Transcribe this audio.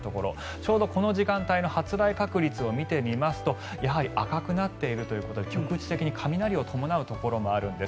ちょうどこの時間帯の発雷確率を見てみますとやはり赤くなっているということで局地的に雷を伴うところもあるんです。